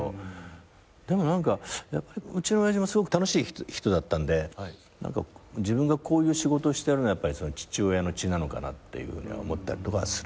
でもうちの親父もすごく楽しい人だったんで自分がこういう仕事してるのは父親の血なのかなっていうふうに思ったりとかはするけどね。